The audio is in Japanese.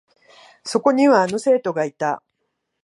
そこには、あの生徒がいた。